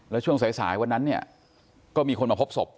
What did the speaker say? แล้วช่วงสายวันนั้นเนี่ยก็มีคนมาพบศพ